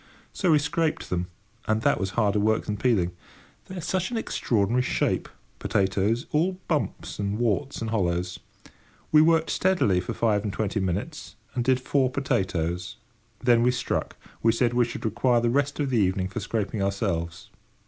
So we scraped them, and that was harder work than peeling. They are such an extraordinary shape, potatoes—all bumps and warts and hollows. We worked steadily for five and twenty minutes, and did four potatoes. Then we struck. We said we should require the rest of the evening for scraping ourselves.